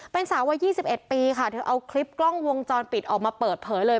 เป็นสาววัย๒๑ปีค่ะเธอเอาคลิปกล้องวงจรปิดออกมาเปิดเผยเลย